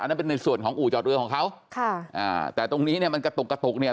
นั่นเป็นในส่วนของอู่จอดเรือของเขาค่ะอ่าแต่ตรงนี้เนี่ยมันกระตุกกระตุกเนี่ย